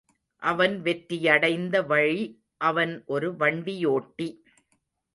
அவன் வெற்றி யடைந்த வழி அவன் ஒரு வண்டியோட்டி.